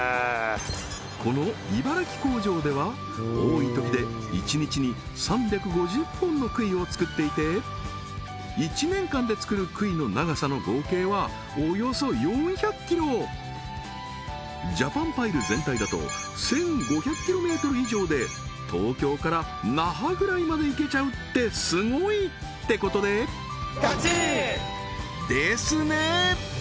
この茨城工場では多いときで１日に３５０本の杭を作っていて１年間で作る杭の長さの合計はおよそ４００ｋｍジャパンパイル全体だと１５００ｋｍ以上で東京から那覇ぐらいまで行けちゃうってすごい！ってことでですね！